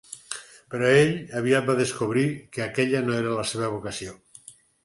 Però ell aviat va descobrir que aquella no era la seva vocació.